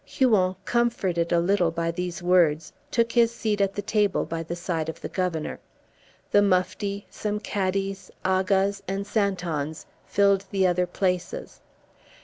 Huon, comforted a little by these words, took his seat at the table by the side of the Governor. The Mufti, some Cadis, Agas, and Santons, filled the other places.